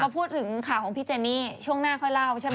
พูดถึงข่าวของพี่เจนี่ช่วงหน้าค่อยเล่าใช่ไหม